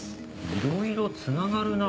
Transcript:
いろいろつながるな。